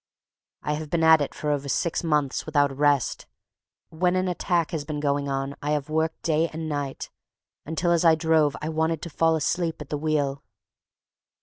I have been at it for over six months without a rest. When an attack has been going on I have worked day and night, until as I drove I wanted to fall asleep at the wheel.